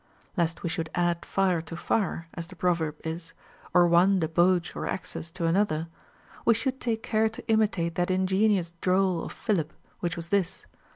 Lest we should add lire to fire, as the proverb is, or one debauch or excess to another, we should take care to imitate that ingenious droll of Philip, which was this.